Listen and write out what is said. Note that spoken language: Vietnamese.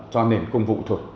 cho nền công vụ thôi